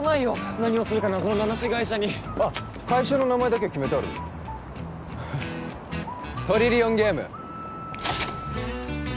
何をするか謎の名無し会社にあっ会社の名前だけは決めてあるトリリオンゲーム